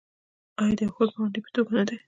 آیا د یو ښه ګاونډي په توګه نه دی؟